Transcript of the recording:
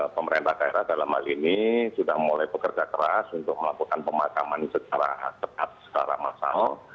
pemerintah daerah dalam hal ini sudah mulai bekerja keras untuk melakukan pemakaman secara ketat secara massal